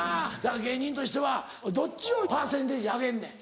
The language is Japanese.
芸人としてはどっちをパーセンテージ上げんねん。